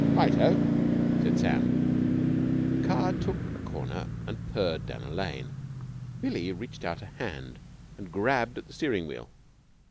"Right ho!" said Sam. The car took a corner and purred down a lane. Billie reached out a hand and grabbed at the steering wheel.